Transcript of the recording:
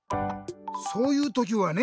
そういうときはね